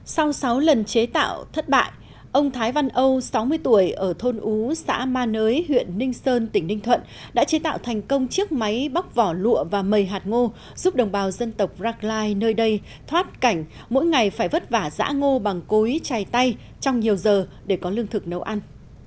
sau sáu lần chế tạo thất bại ông thái văn âu sáu mươi tuổi ở thôn ú xã ma nới huyện ninh sơn tỉnh ninh thuận đã chế tạo thành công chiếc máy bóc vỏ lụa và mầy hạt ngô giúp đồng bào dân tộc rackline nơi đây thoát cảnh mỗi ngày phải vất vả giã ngô bằng cối chay tay trong nhiều giờ để có lương thực nấu ăn